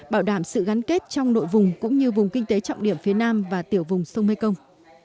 bảo đảm sự gắn kết trong nội vùng cũng như vùng kinh tế trọng điểm phía nam và tiểu vùng sông mekong